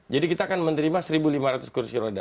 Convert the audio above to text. jadi kita akan menerima seribu lima ratus kursi roda